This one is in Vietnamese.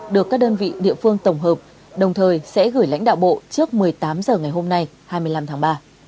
được các đơn vị địa phương tổng hợp đồng thời sẽ gửi lãnh đạo bộ trước một mươi tám h ngày hôm nay hai mươi năm tháng ba